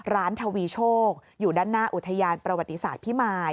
ทวีโชคอยู่ด้านหน้าอุทยานประวัติศาสตร์พิมาย